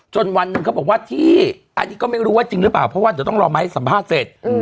วันหนึ่งเขาบอกว่าที่อันนี้ก็ไม่รู้ว่าจริงหรือเปล่าเพราะว่าเดี๋ยวต้องรอไม้สัมภาษณ์เสร็จ